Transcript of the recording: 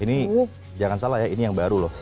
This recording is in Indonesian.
ini jangan salah ya ini yang baru loh